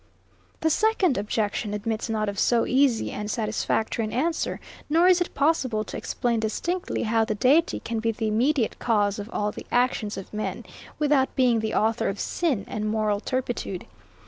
81. The second objection admits not of so easy and satisfactory an answer; nor is it possible to explain distinctly, how the Deity can be the mediate cause of all the actions of men, without being the author of sin and moral turpitude.